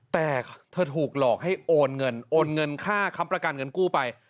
แต่เธอถูกหลอกให้โอนเงินโอนเงินค่าค้ำประกันเงินกู้ไป